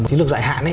tính lực dài hạn